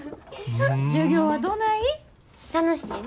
授業はどない？